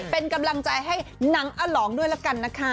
เป็นกำลังใจให้หนังอลองด้วยละกันนะคะ